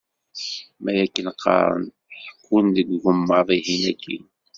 Ma akken qqaren, ḥekkun deg ugemmaḍ-ihin akin.